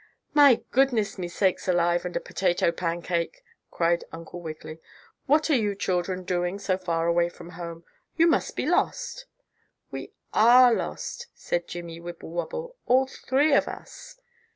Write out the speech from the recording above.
"My goodness me sakes alive and a potato pancake!" cried Uncle Wiggily. "What are you children doing so far away from home? You must be lost." "We are lost," said Jimmie Wibblewobble, "all three of us."